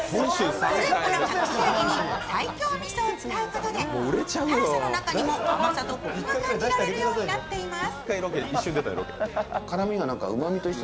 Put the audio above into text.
スープの隠し味に西京みそを使うことで辛さの中にも甘さとこくが感じられるようになっています。